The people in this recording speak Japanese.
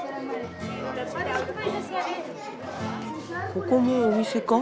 ここもお店か？